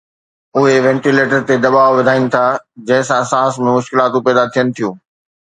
اهي وينٽيليٽر تي دٻاءُ وڌائين ٿا جنهن سان سانس ۾ مشڪلاتون پيدا ٿين ٿيون